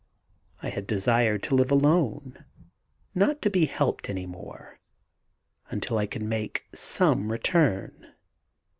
I had desired to live alone, not to be helped any more, until I could make some return.